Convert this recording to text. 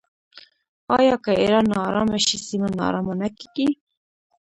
آیا که ایران ناارامه شي سیمه ناارامه نه کیږي؟